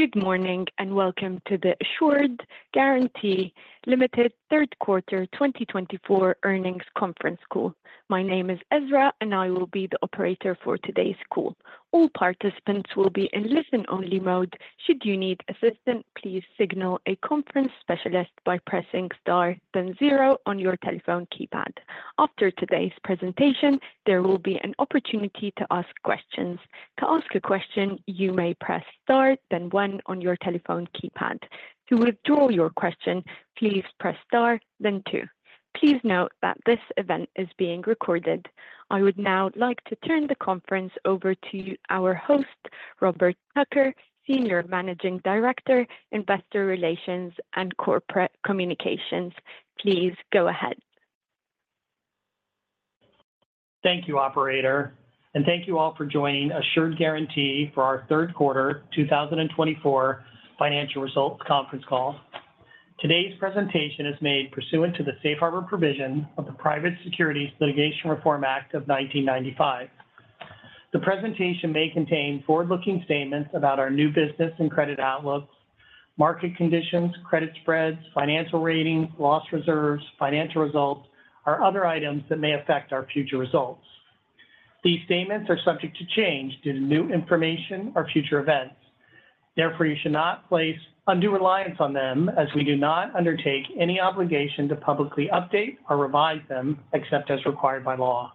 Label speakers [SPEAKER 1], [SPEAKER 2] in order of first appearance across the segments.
[SPEAKER 1] Good morning and welcome to the Assured Guaranty Limited third quarter 2024 earnings conference call. My name is Ezra, and I will be the operator for today's call. All participants will be in listen-only mode. Should you need assistance, please signal a conference specialist by pressing star then zero on your telephone keypad. After today's presentation, there will be an opportunity to ask questions. To ask a question, you may press star then one on your telephone keypad. To withdraw your question, please press star then two. Please note that this event is being recorded. I would now like to turn the conference over to our host, Robert Tucker, Senior Managing Director, Investor Relations, and Corporate Communications. Please go ahead.
[SPEAKER 2] Thank you, Operator, and thank you all for joining Assured Guaranty for our third quarter 2024 financial results conference call. Today's presentation is made pursuant to the Safe Harbor Provision of the Private Securities Litigation Reform Act of 1995. The presentation may contain forward-looking statements about our new business and credit outlook, market conditions, credit spreads, financial ratings, loss reserves, financial results, or other items that may affect our future results. These statements are subject to change due to new information or future events. Therefore, you should not place undue reliance on them, as we do not undertake any obligation to publicly update or revise them except as required by law.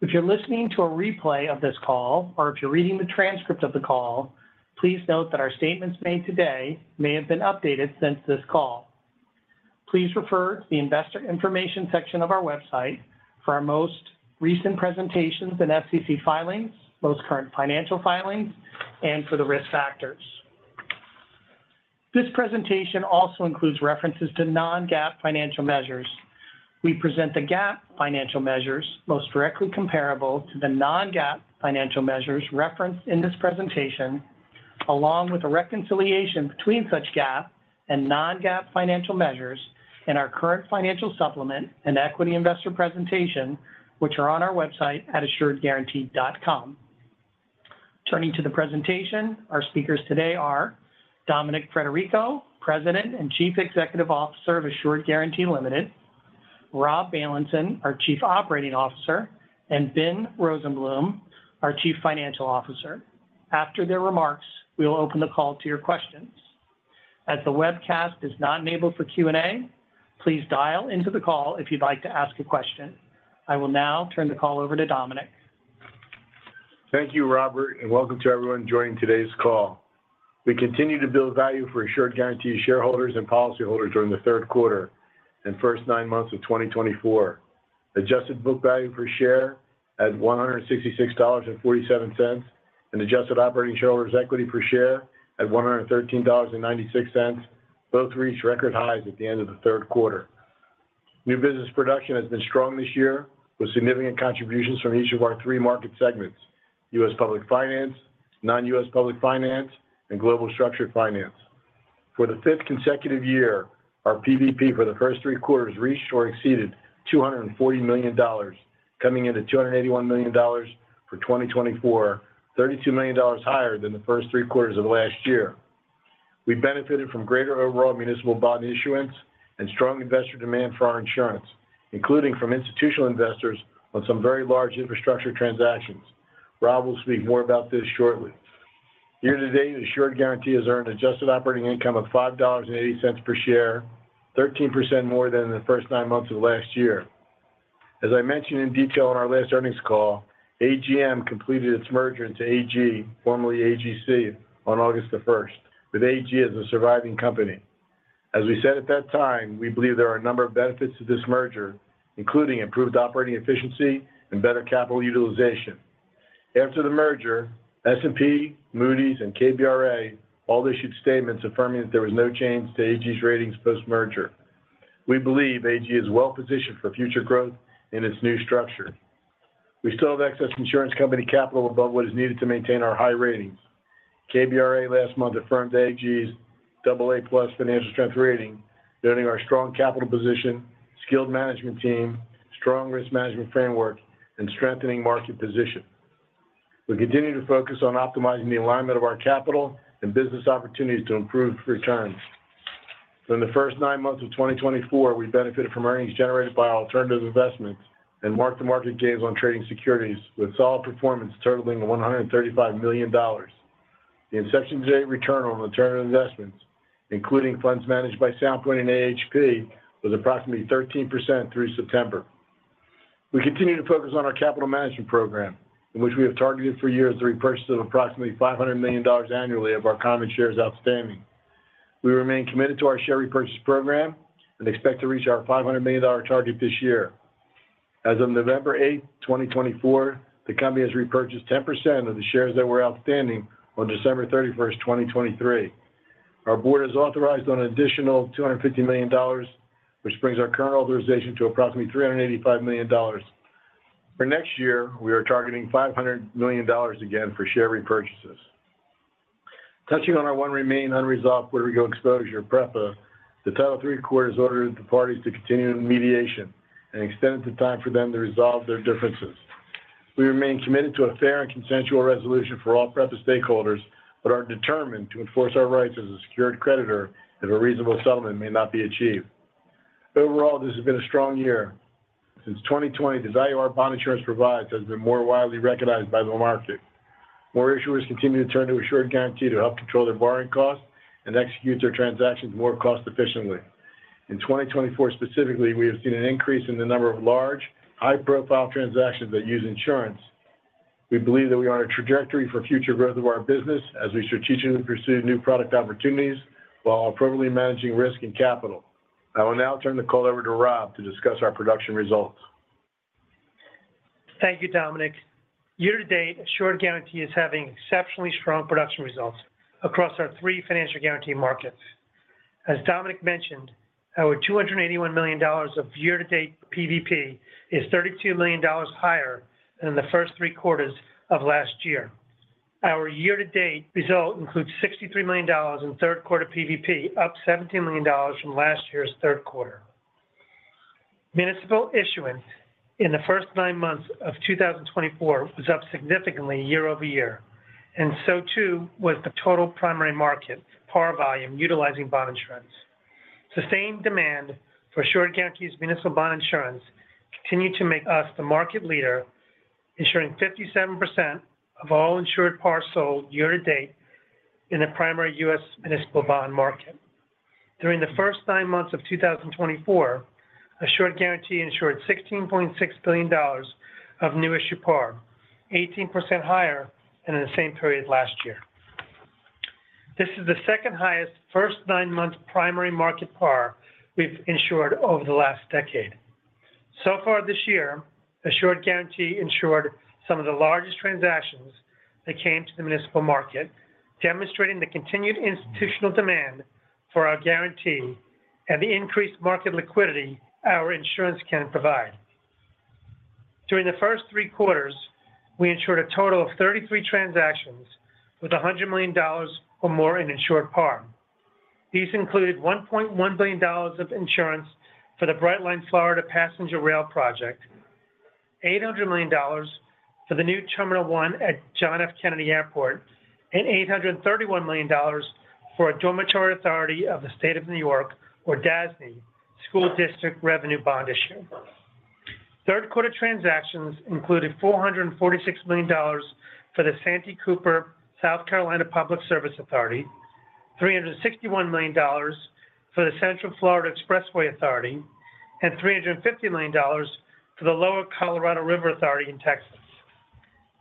[SPEAKER 2] If you're listening to a replay of this call, or if you're reading the transcript of the call, please note that our statements made today may have been updated since this call. Please refer to the investor information section of our website for our most recent presentations and SEC filings, most current financial filings, and for the risk factors. This presentation also includes references to non-GAAP financial measures. We present the GAAP financial measures most directly comparable to the non-GAAP financial measures referenced in this presentation, along with a reconciliation between such GAAP and non-GAAP financial measures in our current financial supplement and equity investor presentation, which are on our website at assuredguaranty.com. Turning to the presentation, our speakers today are Dominic Frederico, President and Chief Executive Officer of Assured Guaranty Limited, Rob Bailenson, our Chief Operating Officer, and Ben Rosenblum, our Chief Financial Officer. After their remarks, we will open the call to your questions. As the webcast is not enabled for Q&A, please dial into the call if you'd like to ask a question. I will now turn the call over to Dominic.
[SPEAKER 3] Thank you, Robert, and welcome to everyone joining today's call. We continue to build value for Assured Guaranty shareholders and policyholders during the third quarter and first nine months of 2024. Adjusted book value per share at $166.47 and adjusted operating shareholders' equity per share at $113.96 both reached record highs at the end of the third quarter. New business production has been strong this year, with significant contributions from each of our three market segments: U.S. Public Finance, non-U.S. Public Finance, and Global Structured Finance. For the fifth consecutive year, our PVP for the first three quarters reached or exceeded $240 million, coming into $281 million for 2024, $32 million higher than the first three quarters of last year. We benefited from greater overall municipal bond issuance and strong investor demand for our insurance, including from institutional investors on some very large infrastructure transactions. Rob will speak more about this shortly. Year-to-date, Assured Guaranty has earned adjusted operating income of $5.80 per share, 13% more than in the first nine months of last year. As I mentioned in detail in our last earnings call, AGM completed its merger into AG, formerly AGC, on August 1, with AG as the surviving company. As we said at that time, we believe there are a number of benefits to this merger, including improved operating efficiency and better capital utilization. After the merger, S&P, Moody's, and KBRA all issued statements affirming that there was no change to AG's ratings post-merger. We believe AG is well positioned for future growth in its new structure. We still have excess insurance company capital above what is needed to maintain our high ratings. KBRA last month affirmed AG's AA+ financial strength rating, noting our strong capital position, skilled management team, strong risk management framework, and strengthening market position. We continue to focus on optimizing the alignment of our capital and business opportunities to improve returns. During the first nine months of 2024, we benefited from earnings generated by alternative investments and mark-to-market gains on trading securities, with solid performance totaling $135 million. The inception-to-date return on alternative investments, including funds managed by Sound Point and AHP, was approximately 13% through September. We continue to focus on our capital management program, in which we have targeted for years the repurchase of approximately $500 million annually of our common shares outstanding. We remain committed to our share repurchase program and expect to reach our $500 million target this year. As of November 8, 2024, the company has repurchased 10% of the shares that were outstanding on December 31st, 2023. Our Board has authorized an additional $250 million, which brings our current authorization to approximately $385 million. For next year, we are targeting $500 million again for share repurchases. Touching on our one remaining unresolved Puerto Rico exposure, PREPA, the Title III court has ordered the parties to continue in mediation and extended the time for them to resolve their differences. We remain committed to a fair and consensual resolution for all PREPA stakeholders but are determined to enforce our rights as a secured creditor if a reasonable settlement may not be achieved. Overall, this has been a strong year. Since 2020, the value our bond insurance provides has been more widely recognized by the market. More issuers continue to turn to Assured Guaranty to help control their borrowing costs and execute their transactions more cost-efficiently. In 2024 specifically, we have seen an increase in the number of large, high-profile transactions that use insurance. We believe that we are on a trajectory for future growth of our business as we strategically pursue new product opportunities while appropriately managing risk and capital. I will now turn the call over to Rob to discuss our production results.
[SPEAKER 4] Thank you, Dominic. Year-to-date, Assured Guaranty is having exceptionally strong production results across our three financial guarantee markets. As Dominic mentioned, our $281 million of year-to-date PVP is $32 million higher than the first three quarters of last year. Our year-to-date result includes $63 million in third-quarter PVP, up $17 million from last year's third quarter. Municipal issuance in the first nine months of 2024 was up significantly year-over-year, and so too was the total primary market par volume utilizing bond insurance. Sustained demand for Assured Guaranty's municipal bond insurance continued to make us the market leader, ensuring 57% of all insured par sold year-to-date in the primary U.S. municipal bond market. During the first nine months of 2024, Assured Guaranty insured $16.6 billion of new-issue par, 18% higher than in the same period last year. This is the second-highest first-nine-month primary market par we've insured over the last decade. So far this year, Assured Guaranty insured some of the largest transactions that came to the municipal market, demonstrating the continued institutional demand for our guarantee and the increased market liquidity our insurance can provide. During the first three quarters, we insured a total of 33 transactions with $100 million or more in insured par. These included $1.1 billion of insurance for the Brightline Florida Passenger Rail Project, $800 million for the new Terminal 1 at John F. Kennedy Airport, and $831 million for a Dormitory Authority of the State of New York, or DASNY, School District Revenue Bond Issue. Third-quarter transactions included $446 million for the Santee Cooper, South Carolina Public Service Authority, $361 million for the Central Florida Expressway Authority, and $350 million for the Lower Colorado River Authority in Texas.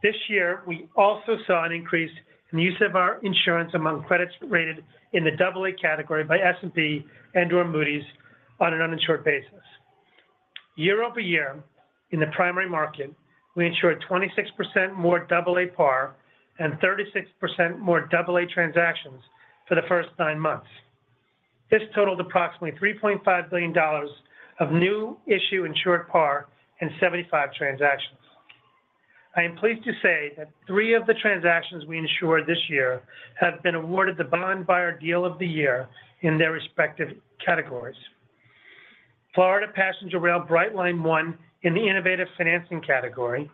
[SPEAKER 4] This year, we also saw an increase in the use of our insurance among credits rated in the AA category by S&P and/or Moody's on an uninsured basis. Year-over-year, in the primary market, we insured 26% more AA par and 36% more AA transactions for the first nine months. This totaled approximately $3.5 billion of new-issue insured par and 75 transactions. I am pleased to say that three of the transactions we insured this year have been awarded The Bond Buyer Deal of the Year in their respective categories: Florida Passenger Rail Brightline won in the Innovative Financing category,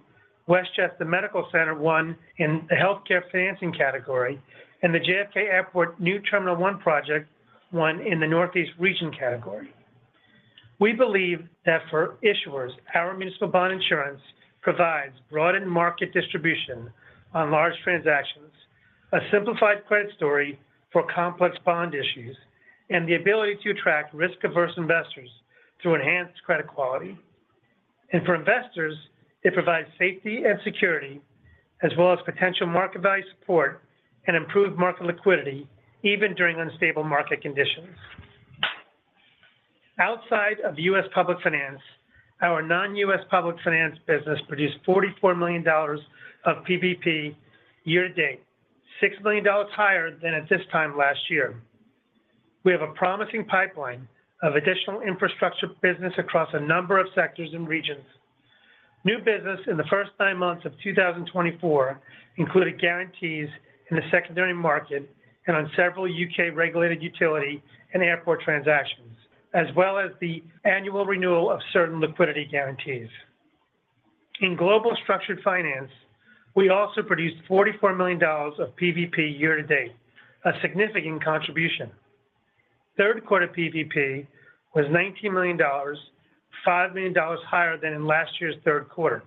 [SPEAKER 4] Westchester Medical Center won in the Healthcare Financing category, and the JFK Airport New Terminal One Project won in the Northeast Region category. We believe that for issuers, our municipal bond insurance provides broadened market distribution on large transactions, a simplified credit story for complex bond issues, and the ability to attract risk-averse investors through enhanced credit quality, and for investors, it provides safety and security, as well as potential market value support and improved market liquidity, even during unstable market conditions. Outside of U.S. Public Finance, our non-U.S. Public Finance business produced $44 million of PVP year-to-date, $6 million higher than at this time last year. We have a promising pipeline of additional infrastructure business across a number of sectors and regions. New business in the first nine months of 2024 included guarantees in the secondary market and on several U.K. regulated utility and airport transactions, as well as the annual renewal of certain liquidity guarantees. In Global Structured Finance, we also produced $44 million of PVP year-to-date, a significant contribution. Third-quarter PVP was $19 million, $5 million higher than in last year's third quarter.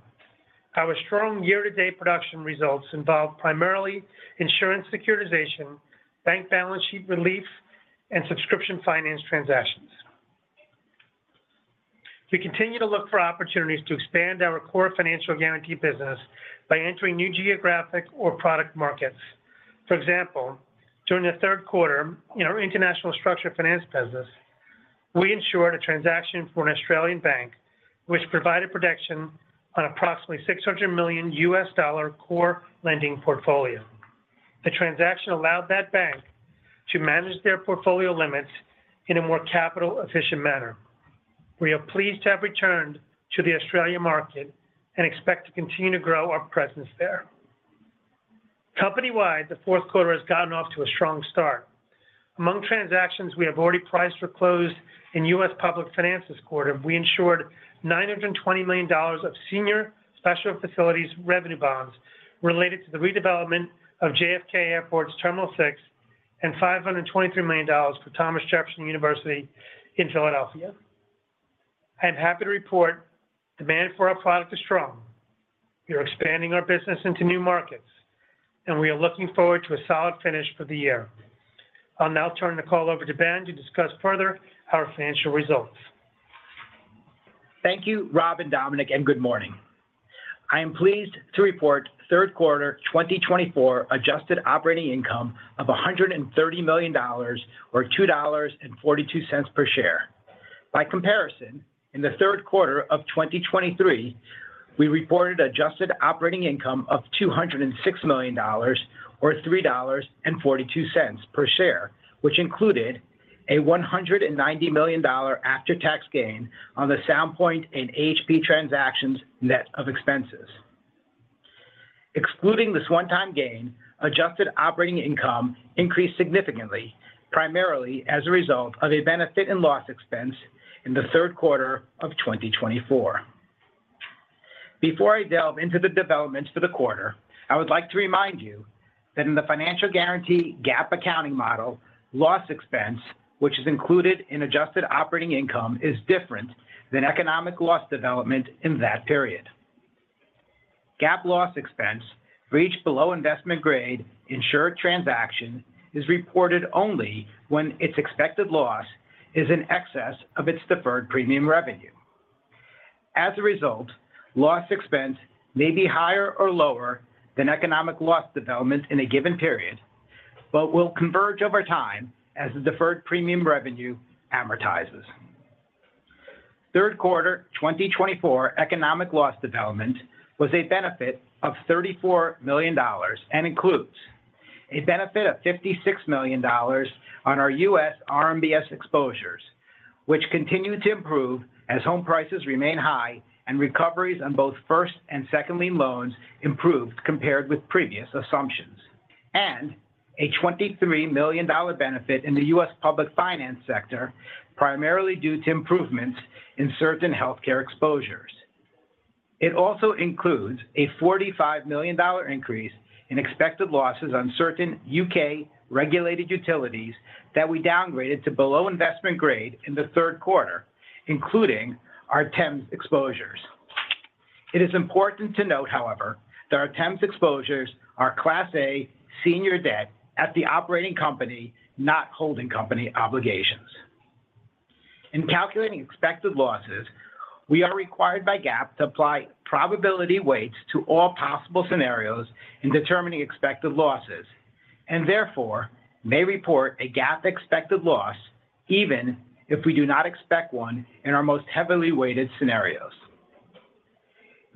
[SPEAKER 4] Our strong year-to-date production results involved primarily insurance securitization, bank balance sheet relief, and subscription finance transactions. We continue to look for opportunities to expand our core financial guarantee business by entering new geographic or product markets. For example, during the third quarter in our international structured finance business, we insured a transaction for an Australian bank, which provided protection on approximately $600 million U.S. dollar core lending portfolio. The transaction allowed that bank to manage their portfolio limits in a more capital-efficient manner. We are pleased to have returned to the Australian market and expect to continue to grow our presence there. Company-wide, the fourth quarter has gotten off to a strong start. Among transactions we have already priced for close in U.S. Public Finance this quarter, we insured $920 million of Senior Special Facilities Revenue Bonds related to the redevelopment of JFK Airport's Terminal 6 and $523 million for Thomas Jefferson University in Philadelphia. I am happy to report demand for our product is strong. We are expanding our business into new markets, and we are looking forward to a solid finish for the year. I'll now turn the call over to Ben to discuss further our financial results.
[SPEAKER 5] Thank you, Rob and Dominic, and good morning. I am pleased to report third quarter 2024 adjusted operating income of $130 million, or $2.42 per share. By comparison, in the third quarter of 2023, we reported adjusted operating income of $206 million, or $3.42 per share, which included a $190 million after-tax gain on the Sound Point and AHP transactions net of expenses. Excluding this one-time gain, adjusted operating income increased significantly, primarily as a result of a benefit in loss expense in the third quarter of 2024. Before I delve into the developments for the quarter, I would like to remind you that in the financial guarantee GAAP accounting model, loss expense, which is included in adjusted operating income, is different than economic loss development in that period. GAAP loss expense for each below-investment grade insured transaction is reported only when its expected loss is in excess of its deferred premium revenue. As a result, loss expense may be higher or lower than economic loss development in a given period, but will converge over time as the deferred premium revenue amortizes. Third quarter 2024 economic loss development was a benefit of $34 million and includes a benefit of $56 million on our U.S. RMBS exposures, which continue to improve as home prices remain high and recoveries on both first and second-lien loans improved compared with previous assumptions, and a $23 million benefit in the U.S. Public Finance sector, primarily due to improvements in certain healthcare exposures. It also includes a $45 million increase in expected losses on certain U.K. regulated utilities that we downgraded to below investment grade in the third quarter, including our Thames exposures. It is important to note, however, that our Thames exposures are Class A senior debt at the operating company, not holding company obligations. In calculating expected losses, we are required by GAAP to apply probability weights to all possible scenarios in determining expected losses, and therefore may report a GAAP expected loss even if we do not expect one in our most heavily weighted scenarios.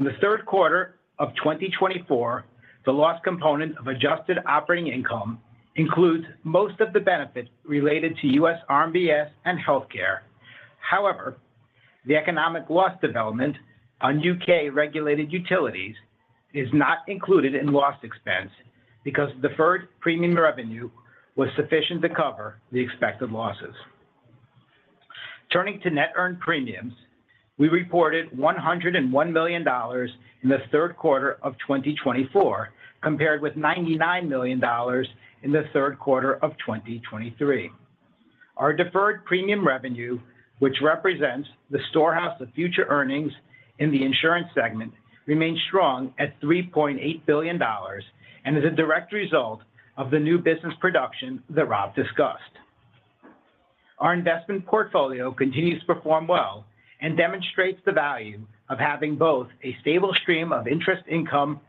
[SPEAKER 5] In the third quarter of 2024, the loss component of adjusted operating income includes most of the benefit related to U.S. RMBS and healthcare. However, the economic loss development on U.K. regulated utilities is not included in loss expense because the deferred premium revenue was sufficient to cover the expected losses. Turning to net earned premiums, we reported $101 million in the third quarter of 2024 compared with $99 million in the third quarter of 2023. Our deferred premium revenue, which represents the storehouse of future earnings in the insurance segment, remains strong at $3.8 billion and is a direct result of the new business production that Rob discussed. Our investment portfolio continues to perform well and demonstrates the value of having both a stable stream of interest income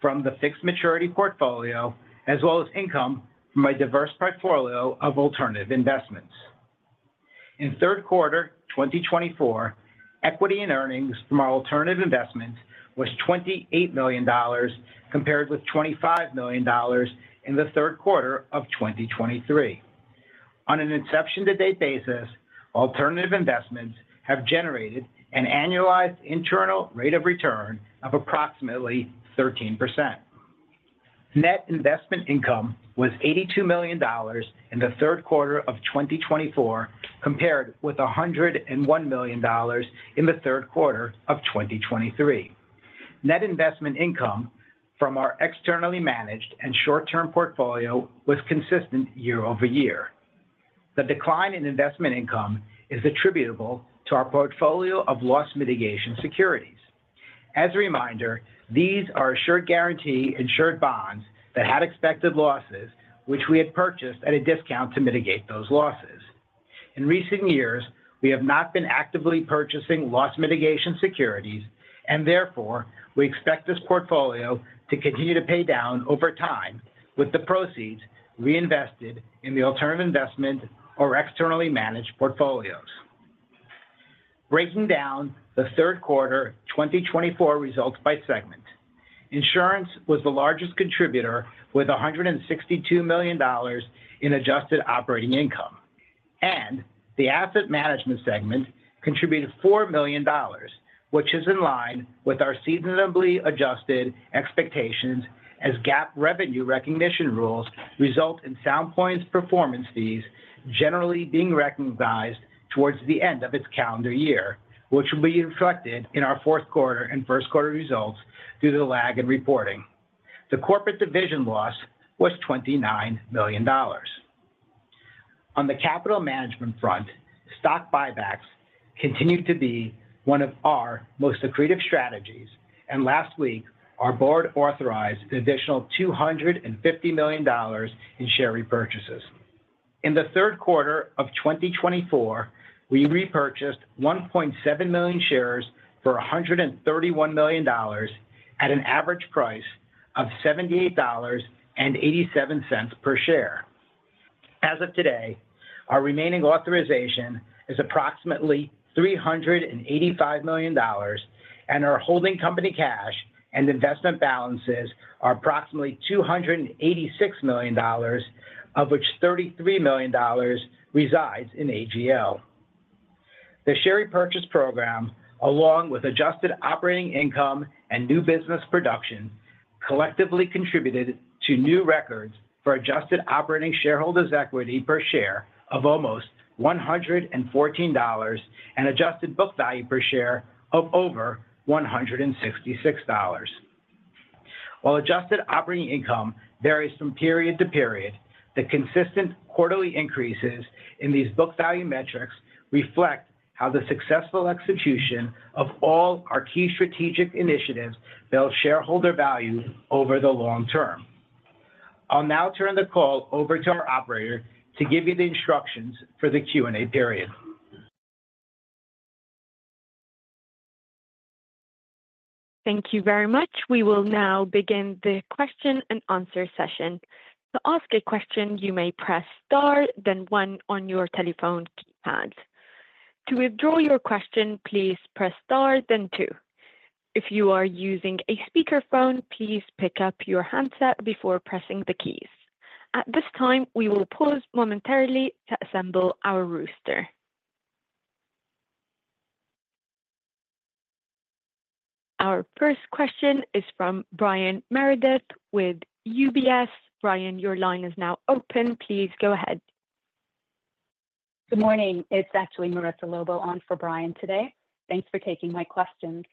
[SPEAKER 5] from the fixed maturity portfolio as well as income from a diverse portfolio of alternative investments. In third quarter 2024, equity in earnings from our alternative investments was $28 million compared with $25 million in the third quarter of 2023. On an inception-to-date basis, alternative investments have generated an annualized internal rate of return of approximately 13%. Net investment income was $82 million in the third quarter of 2024 compared with $101 million in the third quarter of 2023. Net investment income from our externally managed and short-term portfolio was consistent year-over-year. The decline in investment income is attributable to our portfolio of loss mitigation securities. As a reminder, these are Assured Guaranty insured bonds that had expected losses, which we had purchased at a discount to mitigate those losses. In recent years, we have not been actively purchasing loss mitigation securities, and therefore we expect this portfolio to continue to pay down over time with the proceeds reinvested in the alternative investment or externally managed portfolios. Breaking down the third quarter 2024 results by segment, insurance was the largest contributor with $162 million in adjusted operating income, and the asset management segment contributed $4 million, which is in line with our seasonally adjusted expectations as GAAP revenue recognition rules result in Sound Point's performance fees generally being recognized towards the end of its calendar year, which will be reflected in our fourth quarter and first quarter results due to the lag in reporting. The corporate division loss was $29 million. On the capital management front, stock buybacks continued to be one of our most accretive strategies, and last week, our board authorized an additional $250 million in share repurchases. In the third quarter of 2024, we repurchased 1.7 million shares for $131 million at an average price of $78.87 per share. As of today, our remaining authorization is approximately $385 million, and our holding company cash and investment balances are approximately $286 million, of which $33 million resides in AGO. The share repurchase program, along with adjusted operating income and new business production, collectively contributed to new records for adjusted operating shareholders' equity per share of almost $114 and adjusted book value per share of over $166. While adjusted operating income varies from period to period, the consistent quarterly increases in these book value metrics reflect how the successful execution of all our key strategic initiatives build shareholder value over the long term. I'll now turn the call over to our operator to give you the instructions for the Q&A period.
[SPEAKER 1] Thank you very much. We will now begin the question and answer session. To ask a question, you may press star, then one on your telephone keypad. To withdraw your question, please press star, then two. If you are using a speakerphone, please pick up your handset before pressing the keys. At this time, we will pause momentarily to assemble our roster. Our first question is from Brian Meredith with UBS. Brian, your line is now open. Please go ahead.
[SPEAKER 6] Good morning. It's actually Marissa Lobo on for Brian today. Thanks for taking my questions.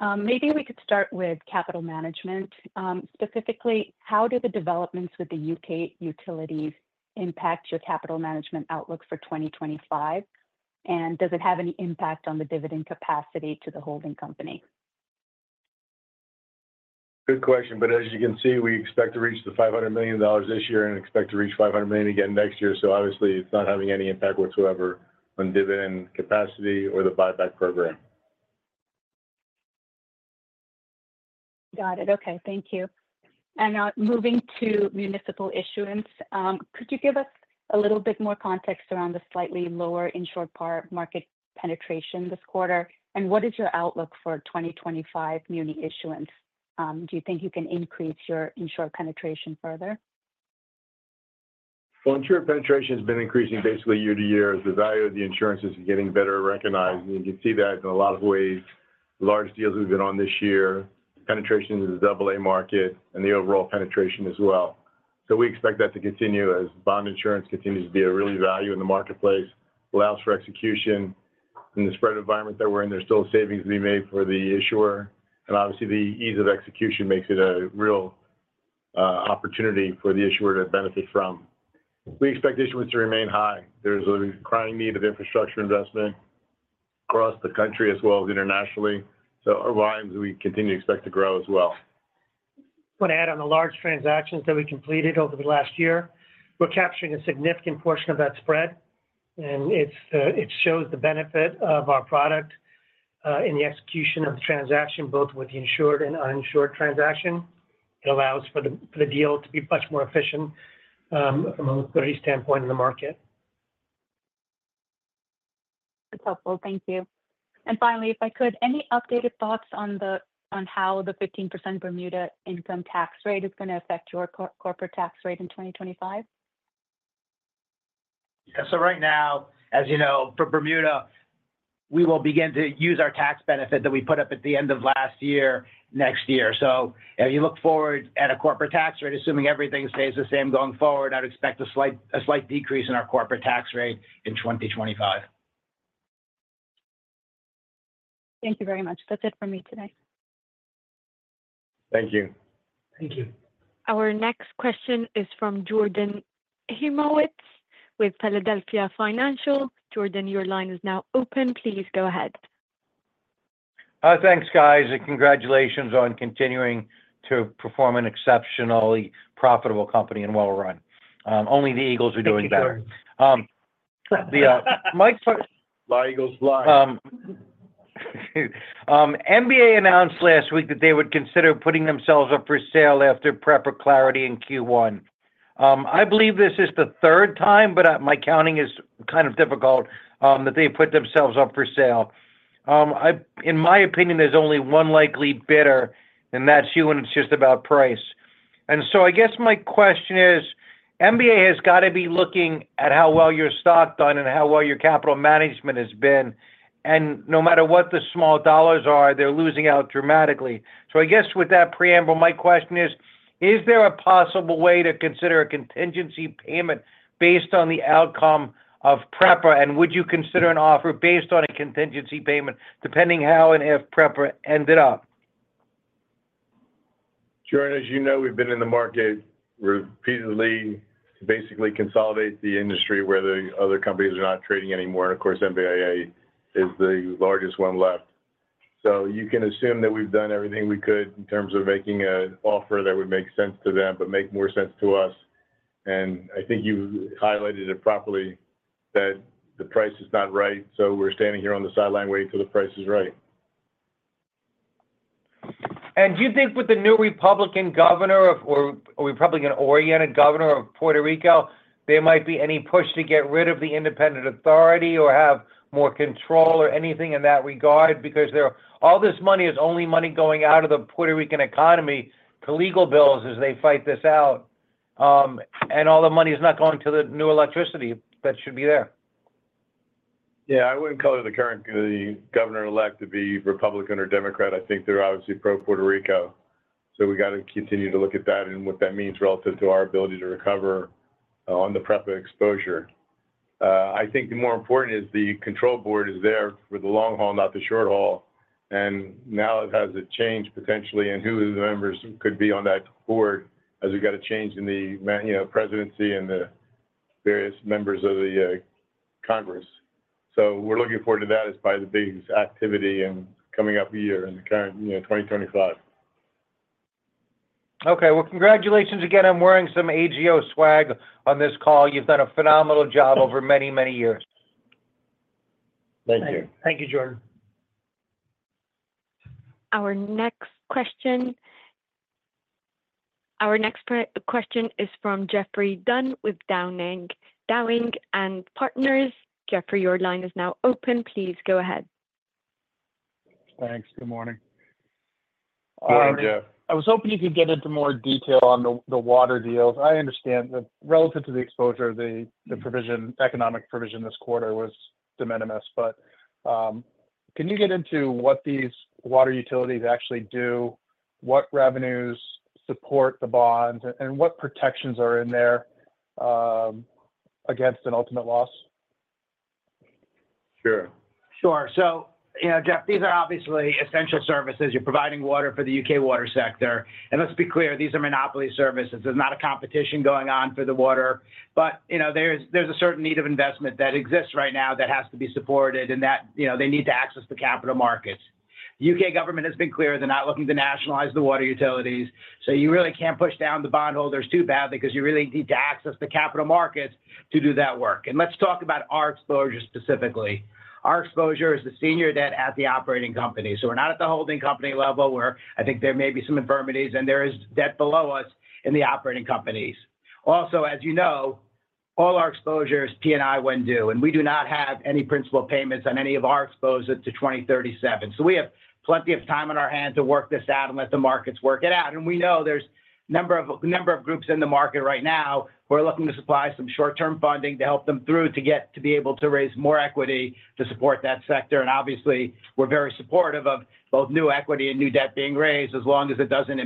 [SPEAKER 6] Maybe we could start with capital management. Specifically, how do the developments with the U.K. utilities impact your capital management outlook for 2025? And does it have any impact on the dividend capacity to the holding company?
[SPEAKER 3] Good question, but as you can see, we expect to reach the $500 million this year and expect to reach $500 million again next year, so obviously, it's not having any impact whatsoever on dividend capacity or the buyback program.
[SPEAKER 6] Got it. Okay. Thank you, and moving to municipal issuance, could you give us a little bit more context around the slightly lower insured market penetration this quarter, and what is your outlook for 2025 muni issuance? Do you think you can increase your insured penetration further?
[SPEAKER 3] Insured penetration has been increasing basically year-to-year as the value of the insurances is getting better recognized. You can see that in a lot of ways, large deals we've been on this year, penetration to the AA market, and the overall penetration as well. We expect that to continue as bond insurance continues to be a real value in the marketplace, allows for execution. In the spread environment that we're in, there's still savings to be made for the issuer. Obviously, the ease of execution makes it a real opportunity for the issuer to benefit from. We expect issuance to remain high. There's a crying need of infrastructure investment across the country as well as internationally. Our volumes, we continue to expect to grow as well.
[SPEAKER 4] Want to add on the large transactions that we completed over the last year, we're capturing a significant portion of that spread. And it shows the benefit of our product in the execution of the transaction, both with the insured and uninsured transaction. It allows for the deal to be much more efficient from a liquidity standpoint in the market.
[SPEAKER 6] That's helpful. Thank you. And finally, if I could, any updated thoughts on how the 15% Bermuda income tax rate is going to affect your corporate tax rate in 2025?
[SPEAKER 5] Yeah. So right now, as you know, for Bermuda, we will begin to use our tax benefit that we put up at the end of last year next year. So if you look forward at a corporate tax rate, assuming everything stays the same going forward, I'd expect a slight decrease in our corporate tax rate in 2025.
[SPEAKER 6] Thank you very much. That's it for me today.
[SPEAKER 3] Thank you.
[SPEAKER 4] Thank you.
[SPEAKER 1] Our next question is from Jordan Hymowitz with Philadelphia Financial. Jordan, your line is now open. Please go ahead.
[SPEAKER 7] Thanks, guys. Congratulations on continuing to perform as an exceptionally profitable and well-run company. Only the Eagles are doing better.
[SPEAKER 4] Thank you, Jordan.
[SPEAKER 3] My eagles fly.
[SPEAKER 7] MBIA announced last week that they would consider putting themselves up for sale after PREPA clarity in Q1. I believe this is the third time, but my counting is kind of difficult that they put themselves up for sale. In my opinion, there's only one likely bidder, and that's you, and it's just about price. And so I guess my question is, MBIA has got to be looking at how well your stock done and how well your capital management has been. And no matter what the small dollars are, they're losing out dramatically. So I guess with that preamble, my question is, is there a possible way to consider a contingency payment based on the outcome of PREPA? And would you consider an offer based on a contingency payment depending how and if PREPA ended up?
[SPEAKER 3] Jordan, as you know, we've been in the market repeatedly to basically consolidate the industry where the other companies are not trading anymore. And of course, MBIA is the largest one left. So you can assume that we've done everything we could in terms of making an offer that would make sense to them, but make more sense to us. And I think you highlighted it properly that the price is not right. So we're standing here on the sidelines waiting till the price is right.
[SPEAKER 5] Do you think with the new Republican governor or Republican-oriented governor of Puerto Rico, there might be any push to get rid of the independent authority or have more control or anything in that regard? Because all this money is only money going out of the Puerto Rican economy to legal bills as they fight this out. All the money is not going to the new electricity that should be there.
[SPEAKER 3] Yeah. I wouldn't color the current governor-elect to be Republican or Democrat. I think they're obviously pro-Puerto Rico. So we got to continue to look at that and what that means relative to our ability to recover on the PREPA exposure. I think the more important is the control board is there for the long haul, not the short haul. And now it has a change potentially in who the members could be on that board as we got a change in the presidency and the various members of the Congress. So we're looking forward to that as part of the big activity and coming up year in the current 2025.
[SPEAKER 7] Okay. Congratulations again. I'm wearing some AGO swag on this call. You've done a phenomenal job over many, many years.
[SPEAKER 3] Thank you.
[SPEAKER 4] Thank you, Jordan.
[SPEAKER 1] Our next question is from Geoffrey Dunn with Dowling & Partners. Geoffrey, your line is now open. Please go ahead.
[SPEAKER 8] Thanks. Good morning.
[SPEAKER 3] Good morning, Geoff.
[SPEAKER 8] I was hoping you could get into more detail on the water deals. I understand that relative to the exposure, the economic provision this quarter was de minimis. But can you get into what these water utilities actually do, what revenues support the bonds, and what protections are in there against an ultimate loss?
[SPEAKER 3] Sure.
[SPEAKER 5] Sure. So Geoff, these are obviously essential services. You're providing water for the U.K. water sector. And let's be clear, these are monopoly services. There's not a competition going on for the water. But there's a certain need of investment that exists right now that has to be supported and that they need to access the capital markets. The U.K. government has been clear they're not looking to nationalize the water utilities. So you really can't push down the bondholders too badly because you really need to access the capital markets to do that work. And let's talk about our exposure specifically. Our exposure is the senior debt at the operating companies. So we're not at the holding company level where I think there may be some infirmities, and there is debt below us in the operating companies. Also, as you know, all our exposure is P&I when due. We do not have any principal payments on any of our exposure to 2037. We have plenty of time on our hands to work this out and let the markets work it out. We know there's a number of groups in the market right now who are looking to supply some short-term funding to help them through to be able to raise more equity to support that sector. Obviously, we're very supportive of both new equity and new debt being raised as long as it doesn't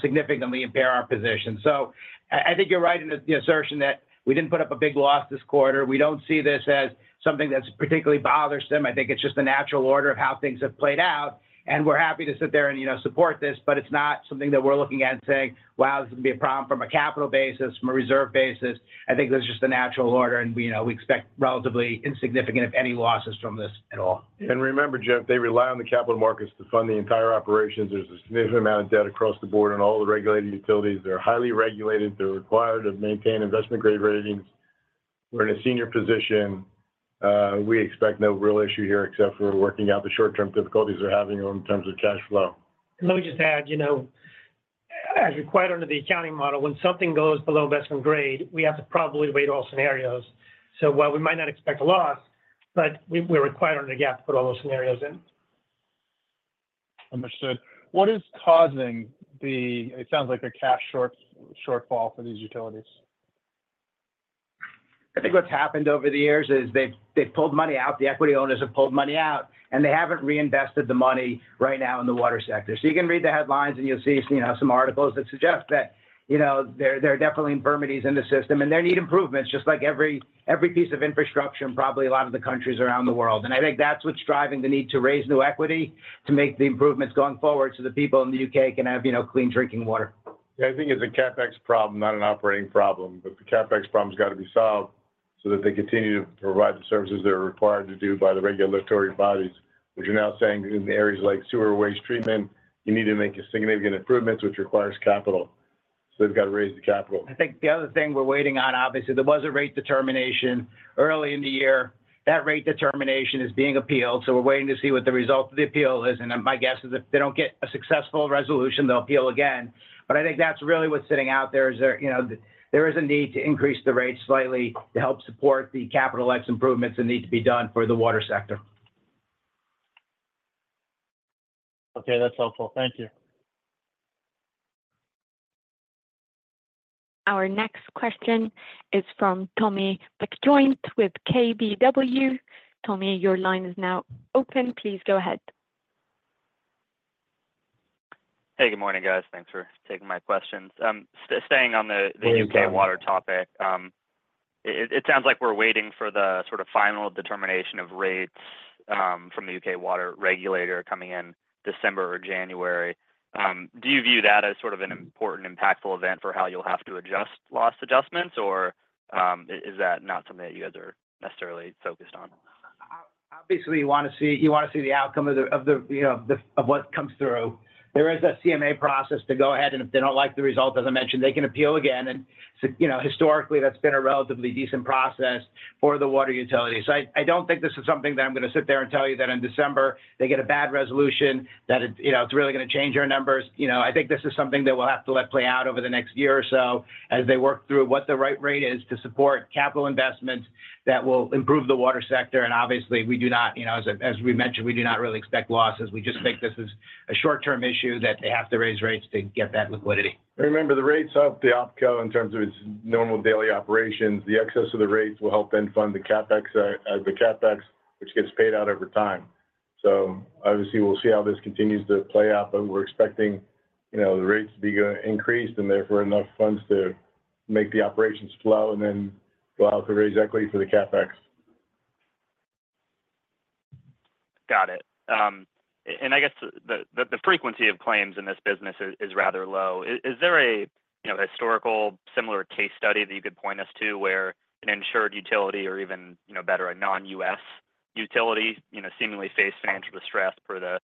[SPEAKER 5] significantly impair our position. I think you're right in the assertion that we didn't put up a big loss this quarter. We don't see this as something that's particularly bothersome. I think it's just the natural order of how things have played out. We're happy to sit there and support this. It's not something that we're looking at and saying, "Wow, this is going to be a problem from a capital basis, from a reserve basis." I think there's just a natural order, and we expect relatively insignificant, if any, losses from this at all.
[SPEAKER 3] And remember, Jeff, they rely on the capital markets to fund the entire operations. There's a significant amount of debt across the board on all the regulated utilities. They're highly regulated. They're required to maintain investment grade ratings. We're in a senior position. We expect no real issue here except for working out the short-term difficulties they're having in terms of cash flow.
[SPEAKER 4] Let me just add, as required under the accounting model, when something goes below investment grade, we have to probably weigh all scenarios. So while we might not expect a loss, but we're required under GAAP to put all those scenarios in.
[SPEAKER 8] Understood. What is causing the, it sounds like the cash shortfall for these utilities?
[SPEAKER 5] I think what's happened over the years is they've pulled money out. The equity owners have pulled money out, and they haven't reinvested the money right now in the water sector. So you can read the headlines, and you'll see some articles that suggest that there are definitely infirmities in the system, and they need improvements just like every piece of infrastructure in probably a lot of the countries around the world. And I think that's what's driving the need to raise new equity to make the improvements going forward so the people in the U.K. can have clean drinking water.
[SPEAKER 3] Yeah. I think it's a CapEx problem, not an operating problem. But the CapEx problem has got to be solved so that they continue to provide the services they're required to do by the regulatory bodies. What you're now saying is in areas like sewer waste treatment, you need to make significant improvements, which requires capital. So they've got to raise the capital.
[SPEAKER 5] I think the other thing we're waiting on, obviously, there was a rate determination early in the year. That rate determination is being appealed. So we're waiting to see what the result of the appeal is. And my guess is if they don't get a successful resolution, they'll appeal again. But I think that's really what's sitting out there is there is a need to increase the rate slightly to help support the CapEx improvements that need to be done for the water sector.
[SPEAKER 8] Okay. That's helpful. Thank you.
[SPEAKER 1] Our next question is from Tommy McJoynt with KBW. Tommy, your line is now open. Please go ahead.
[SPEAKER 9] Hey, good morning, guys. Thanks for taking my questions. Staying on the U.K. water topic, it sounds like we're waiting for the sort of final determination of rates from the U.K. water regulator coming in December or January. Do you view that as sort of an important impactful event for how you'll have to adjust loss adjustments, or is that not something that you guys are necessarily focused on?
[SPEAKER 5] Obviously, you want to see the outcome of what comes through. There is a CMA process to go ahead, and if they don't like the result, as I mentioned, they can appeal again, and historically, that's been a relatively decent process for the water utility. So I don't think this is something that I'm going to sit there and tell you that in December they get a bad resolution that it's really going to change our numbers. I think this is something that we'll have to let play out over the next year or so as they work through what the right rate is to support capital investments that will improve the water sector, and obviously, we do not, as we mentioned, we do not really expect losses. We just think this is a short-term issue that they have to raise rates to get that liquidity.
[SPEAKER 3] Remember, the rates help the opco in terms of its normal daily operations. The excess of the rates will help then fund the CapEx, which gets paid out over time. So obviously, we'll see how this continues to play out. But we're expecting the rates to be increased and therefore enough funds to make the operations flow and then go out to raise equity for the CapEx.
[SPEAKER 9] Got it. And I guess the frequency of claims in this business is rather low. Is there a historical similar case study that you could point us to where an insured utility or even better, a non-U.S. utility seemingly faced financial distress per the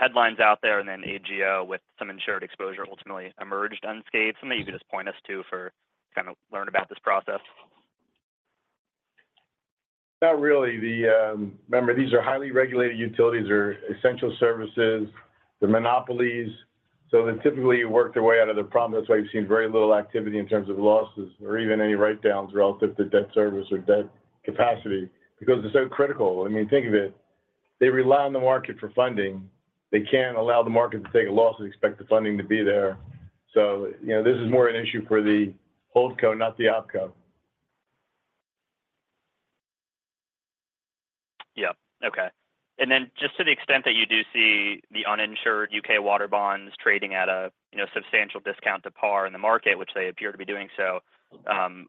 [SPEAKER 9] headlines out there and then AGO with some insured exposure ultimately emerged unscathed? Something you could just point us to for kind of learn about this process?
[SPEAKER 3] Not really. Remember, these are highly regulated utilities or essential services. They're monopolies. So they typically work their way out of their problem. That's why you've seen very little activity in terms of losses or even any write-downs relative to debt service or debt capacity because it's so critical. I mean, think of it. They rely on the market for funding. They can't allow the market to take a loss and expect the funding to be there. So this is more an issue for the holdco, not the opco.
[SPEAKER 9] Yep. Okay. And then just to the extent that you do see the uninsured U.K. water bonds trading at a substantial discount to par in the market, which they appear to be doing so,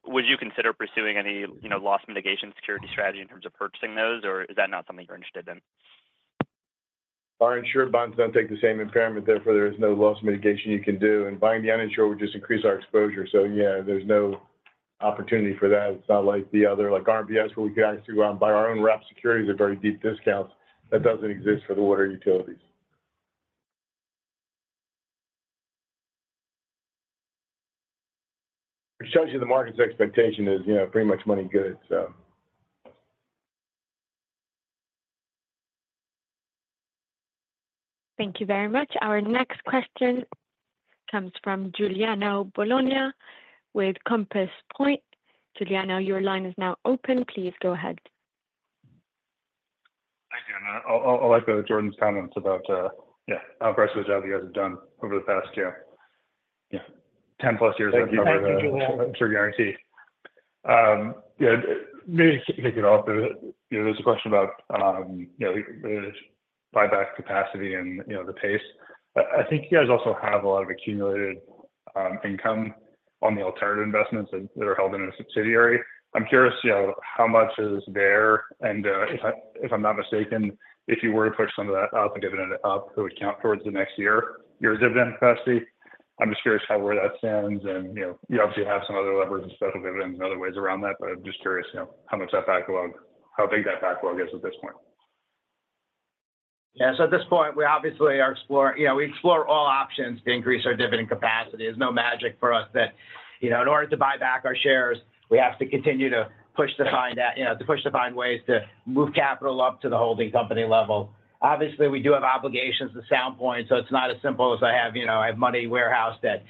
[SPEAKER 9] would you consider pursuing any loss mitigation security strategy in terms of purchasing those, or is that not something you're interested in?
[SPEAKER 3] Our insured bonds don't take the same impairment. Therefore, there is no loss mitigation you can do. And buying the uninsured would just increase our exposure. So yeah, there's no opportunity for that. It's not like the other RMBS where we can actually go out and buy our own wrapped securities at very deep discounts. That doesn't exist for the water utilities. Which tells you the market's expectation is pretty much money good, so.
[SPEAKER 1] Thank you very much. Our next question comes from Giuliano Bologna with Compass Point. Giuliano, your line is now open. Please go ahead.
[SPEAKER 10] Thank you, Anna. I'll echo Jordan's comments about how aggressive the job you guys have done over the past 10+ years of Assured Guaranty. Maybe to kick it off, there's a question about buyback capacity and the pace. I think you guys also have a lot of accumulated income on the alternative investments that are held in a subsidiary. I'm curious how much is there. And if I'm not mistaken, if you were to push some of that out as a dividend, it would count towards the next year, your dividend capacity. I'm just curious where that stands. And you obviously have some other levers and special dividends and other ways around that. But I'm just curious how big that backlog is at this point.
[SPEAKER 5] Yeah. So at this point, we obviously are exploring all options to increase our dividend capacity. There's no magic for us that in order to buy back our shares, we have to continue to push to find ways to move capital up to the holding company level. Obviously, we do have obligations to Sound Point. So it's not as simple as I have money warehoused at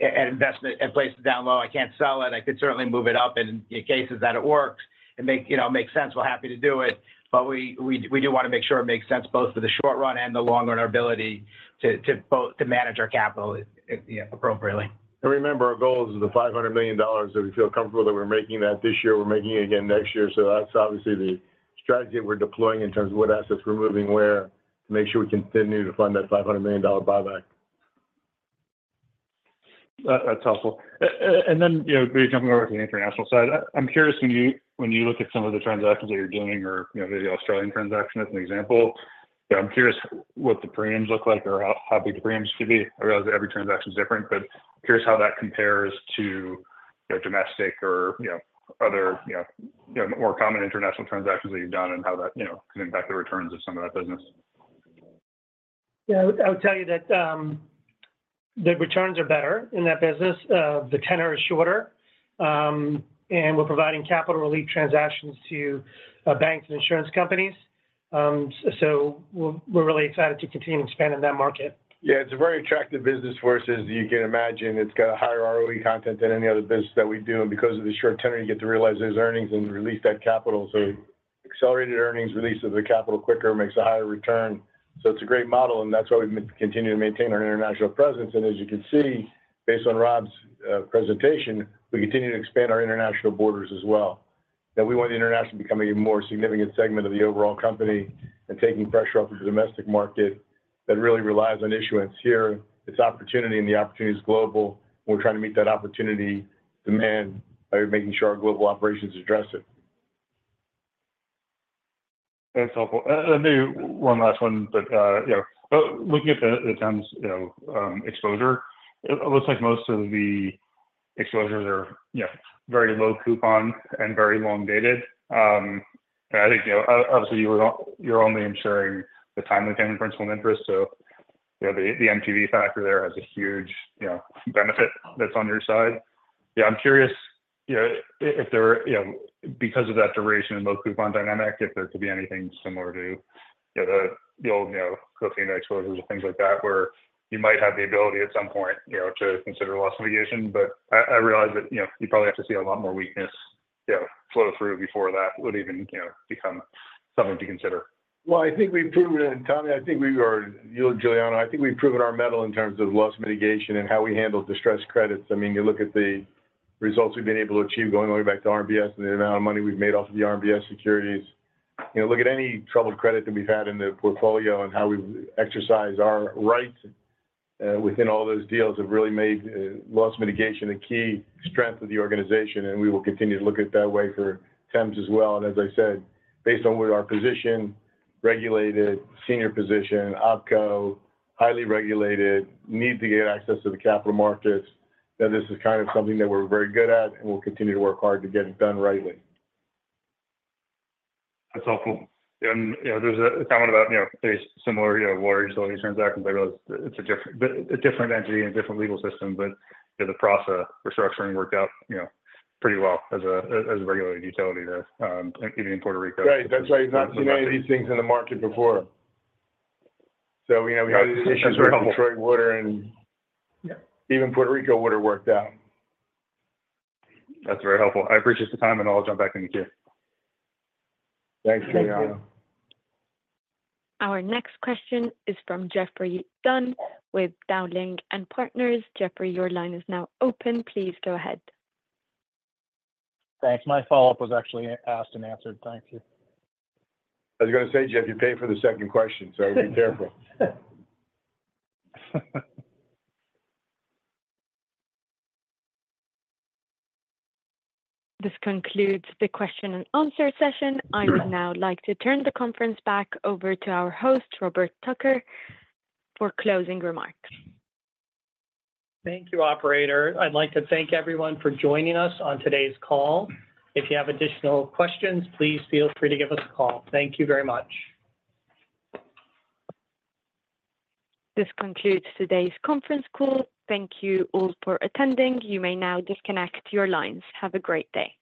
[SPEAKER 5] investment and placed down low. I can't sell it. I could certainly move it up in cases that it works and make sense. We're happy to do it. But we do want to make sure it makes sense both for the short run and the long run our ability to manage our capital appropriately.
[SPEAKER 3] And remember, our goal is the $500 million that we feel comfortable that we're making that this year. We're making it again next year. So that's obviously the strategy that we're deploying in terms of what assets we're moving where to make sure we continue to fund that $500 million buyback.
[SPEAKER 10] That's helpful. And then, jumping over to the international side, I'm curious when you look at some of the transactions that you're doing or maybe Australian transactions as an example. I'm curious what the premiums look like or how big the premiums should be? I realize that every transaction is different, but I'm curious how that compares to domestic or other more common international transactions that you've done and how that can impact the returns of some of that business?
[SPEAKER 4] Yeah. I would tell you that the returns are better in that business. The tenor is shorter. And we're providing capital relief transactions to banks and insurance companies. So we're really excited to continue to expand in that market.
[SPEAKER 3] Yeah. It's a very attractive business for us, as you can imagine. It's got a higher ROE content than any other business that we do. And because of the short tenor, you get to realize there's earnings and release that capital. So accelerated earnings release of the capital quicker makes a higher return. So it's a great model. And that's why we continue to maintain our international presence. And as you can see, based on Rob's presentation, we continue to expand our international borders as well. Now, we want the international to become a more significant segment of the overall company and taking pressure off of the domestic market that really relies on issuance here. It's opportunity and the opportunity is global. And we're trying to meet that opportunity demand by making sure our global operations address it.
[SPEAKER 10] That's helpful. And maybe one last one, but looking at the term exposures, it looks like most of the exposures are very low coupon and very long-dated. And I think, obviously, you're only insuring the timely payment of principal and interest. So the MTM factor there has a huge benefit that's on your side. Yeah. I'm curious if there are, because of that duration and low coupon dynamic, if there could be anything similar to the old Covanta exposures or things like that where you might have the ability at some point to consider loss mitigation. But I realize that you probably have to see a lot more weakness flow through before that would even become something to consider.
[SPEAKER 3] I think we've proven it. Tommy, I think we are, you and Giuliano, I think we've proven our mettle in terms of loss mitigation and how we handle distressed credits. I mean, you look at the results we've been able to achieve going all the way back to RMBS and the amount of money we've made off of the RMBS securities. Look at any troubled credit that we've had in the portfolio and how we've exercised our rights within all those deals have really made loss mitigation a key strength of the organization. We will continue to look at that way for Thames as well. As I said, based on what our position, regulated, senior position, opco, highly regulated, need to get access to the capital markets, that this is kind of something that we're very good at and we'll continue to work hard to get it done rightly.
[SPEAKER 10] That's helpful. And there's a comment about similar water utility transactions. I realize it's a different entity and a different legal system, but the PRASA restructuring worked out pretty well as a regulated utility there, even in Puerto Rico.
[SPEAKER 3] Right. That's right. I've not seen any of these things in the market before. So we had these issues with Detroit Water and even Puerto Rico Water worked out.
[SPEAKER 10] That's very helpful. I appreciate the time, and I'll jump back in the queue.
[SPEAKER 3] Thanks, Juliano.
[SPEAKER 1] Our next question is from Geoffrey Dunn with Dowling and Partners. Geoffrey, your line is now open. Please go ahead.
[SPEAKER 8] Thanks. My follow-up was actually asked and answered. Thank you.
[SPEAKER 3] I was going to say, Geoff, you paid for the second question, so be careful.
[SPEAKER 1] This concludes the question and answer session. I would now like to turn the conference back over to our host, Robert Tucker, for closing remarks.
[SPEAKER 2] Thank you, operator. I'd like to thank everyone for joining us on today's call. If you have additional questions, please feel free to give us a call. Thank you very much.
[SPEAKER 1] This concludes today's conference call. Thank you all for attending. You may now disconnect your lines. Have a great day.